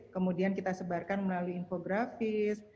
kemudian kita sebarkan melalui infografis